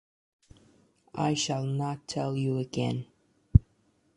I shall not tell you again.